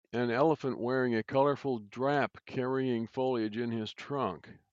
an elephant wearing a colorful drap carrying foliage in his trunk.